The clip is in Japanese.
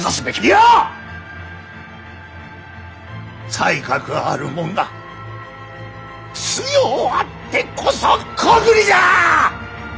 才覚あるもんが強うあってこそ国利じゃ！